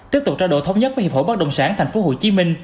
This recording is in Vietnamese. tiếp tục trao đổi thống nhất với hiệp hội bất động sản tp hcm